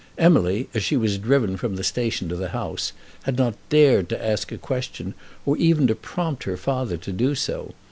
Emily, as she was driven from the station to the house, had not dared to ask a question or even to prompt her father to do so.